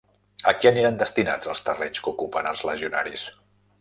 A què aniran destinats els terrenys que ocupen els legionaris?